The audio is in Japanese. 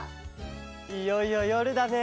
いよいよよるだね。